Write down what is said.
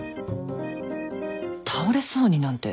倒れそうになんて。